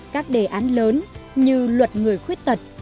các đề án lớn như luật người khuyết tật